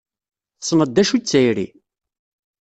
Tessneḍ d acu i d tayri?